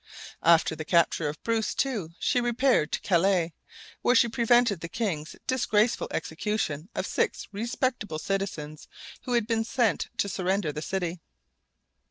After the capture of Bruce, too, she repaired to Calais, where she prevented the king's disgraceful execution of six respectable citizens who had been sent to surrender the city.